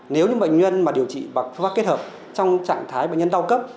nếu những bệnh nhân mà điều trị bằng phương pháp kết hợp trong trạng thái bệnh nhân đau cấp